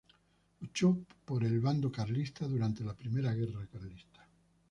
Luchó por el bando carlista durante la Primera Guerra Carlista.